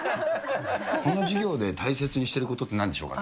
この授業で大切にしていることはなんでしょうか。